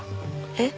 えっ？